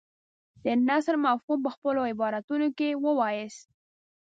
د نثر مفهوم په خپلو عباراتو کې ووایاست.